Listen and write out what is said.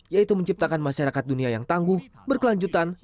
yaitu menciptakan masyarakat dunia yang tangguh berkelanjutan